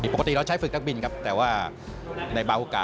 ปกติเราใช้ฝึกนักบินครับแต่ว่าในบางโอกาส